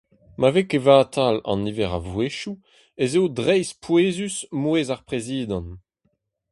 Ma vez kevatal an niver a vouezhioù ez eo dreistpouezus mouezh ar prezidant.